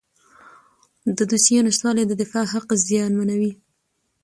د دوسیې نشتوالی د دفاع حق زیانمنوي.